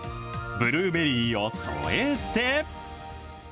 ブルーベリーを添えて。